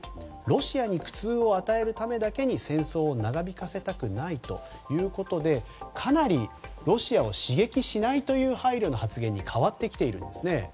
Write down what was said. ロシアに苦痛を与えるためだけに戦争を長引させたくないということでかなりロシアを刺激しない配慮に変わってきているんですね。